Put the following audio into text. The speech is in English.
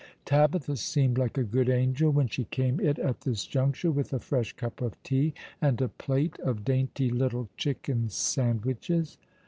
Tabitha seemed like a good angel, when she came in at this juncture with a fresh cup of tea and a plate of dainty little chicken sandwiches.